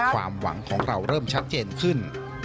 ความหวังของเราเริ่มชัดเจนขึ้น